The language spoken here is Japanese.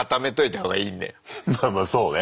まあまあそうね。